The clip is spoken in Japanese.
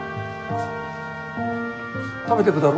食べてくだろ？